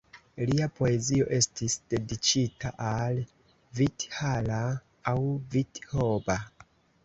Lia poezio estis dediĉita al Vitthala aŭ Vithoba.